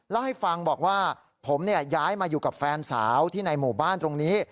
เล่าให้ฟังบอกว่าผมย้ายมาอยู่กับแฟนสาวที่ในหมู่บ้านตรงนี้